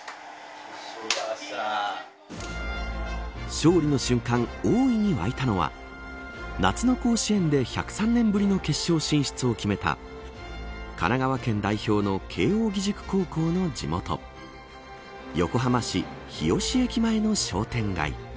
勝利の瞬間大いに沸いたのは夏の甲子園で１０３年ぶりの決勝進出を決めた神奈川県代表の慶応義塾高校の地元横浜市、日吉駅前の商店街。